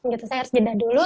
gitu saya harus jeda dulu